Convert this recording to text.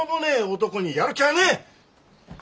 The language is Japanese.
男にやる気ゃあねえ！